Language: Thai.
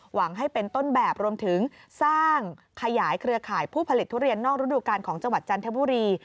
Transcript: หวังให้เป็นต้นแบบรวมถึงสร้างขยายเครือข่ายผู้ผลิตทุเรียนนอกฤดูกาลของจังหวัดจันทบุรี